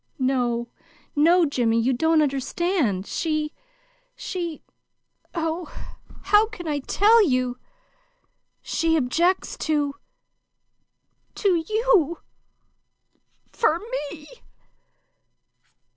"No, no, Jimmy, you don't understand! She she oh, how can I tell you? she objects to to YOU for ME."